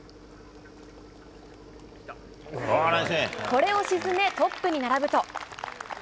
これを沈め、トップに並ぶと。